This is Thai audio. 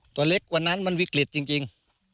ตัวเล็กกว่านั้นมันวิกฤตจริง